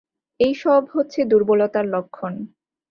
এই-সব হচ্ছে দুর্বলতার লক্ষণ।